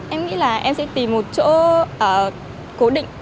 em nghĩ là em sẽ tìm một chỗ cố định